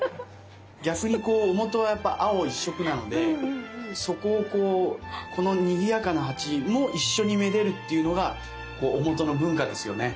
逆に万年青はやっぱ青一色なのでそこをこうこのにぎやかな鉢も一緒に愛でるっていうのが万年青の文化ですよね。